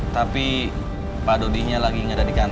tapi pak dodinya lagi masuk ke disney nya pak dodi